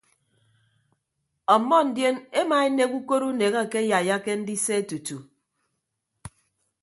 Ọmmọ ndion emaenek ukot unek akeyaiyake ndise tutu.